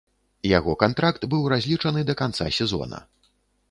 Яго кантракт быў разлічаны да канца сезона.